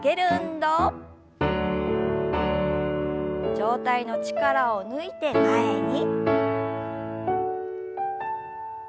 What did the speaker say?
上体の力を抜いて前に。